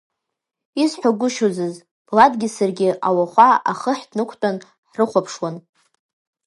Исҳәагәышьозыз, Ладгьы саргьы ауахәа ахы ҳнықәтәан, ҳрыхәаԥшуан.